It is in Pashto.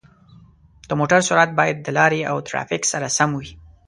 د موټر سرعت باید د لارې او ترافیک سره سم وي.